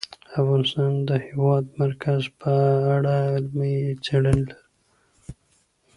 افغانستان د د هېواد مرکز په اړه علمي څېړنې لري.